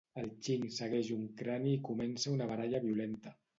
El Ching segueix un crani i comença una baralla violenta.